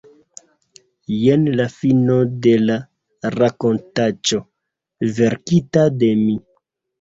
Jen la fino de la rakontaĉo verkita de mi.